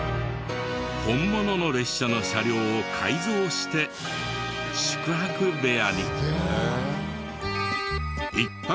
本物の列車の車両を改造して宿泊部屋に。